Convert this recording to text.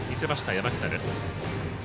山北です。